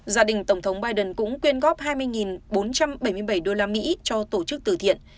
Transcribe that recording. gia đình tổng thống biden cũng quyên góp hai mươi bốn trăm bảy mươi bảy đô la mỹ cho tổ chức tử thiện